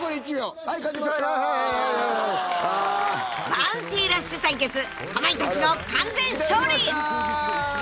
［『バウンティラッシュ』対決かまいたちの完全勝利！］